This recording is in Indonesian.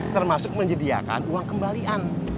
termasuk menyediakan uang kembalian